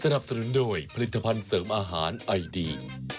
สนุนโดยผลิตภัณฑ์เสริมอาหารไอดี